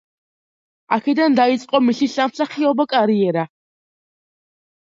აქედან დაიწყო მისი სამსახიობო კარიერა.